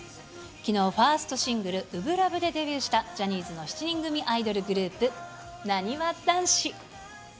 きのう、ファーストシングル、初心ＬＯＶＥでデビューした、ジャニーズの７人組アイドルグループ、なにわ男子。